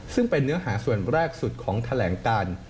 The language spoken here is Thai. ซึ่งเป็นเนื้อหาส่วนแรกสุดของแถลงการ